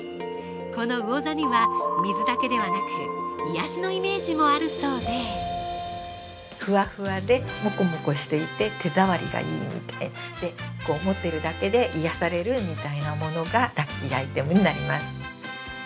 この魚座には水だけではなく癒やしのイメージもあるそうで◆ふわふわでモコモコしていて、手触りがいい、持ってるだけで癒されるみたいなものがラッキーアイテムになります。